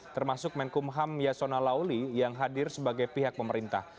termasuk menkumham yasona lauli yang hadir sebagai pihak pemerintah